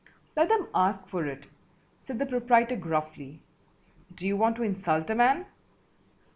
"Let them ask for it," said the proprietor gruffly. "Do you want to insult a man?"